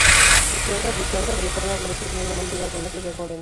En su obra, Tristán aparece como una figura romántica condenada.